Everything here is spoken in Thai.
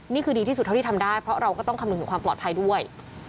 นี่คือดีที่สุดเท่าที่ทำได้เพราะเราก็ต้องคำนึงถึงความปลอดภัยด้วย